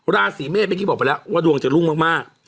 ราศีเมฆเป็นที่ผมบอกไปแล้วว่าดวงค์จะรุ่งมาก